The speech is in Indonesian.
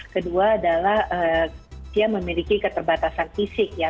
kedua adalah dia memiliki keterbatasan fisik ya